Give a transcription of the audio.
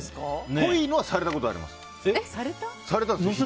ぽいのはされたことあります。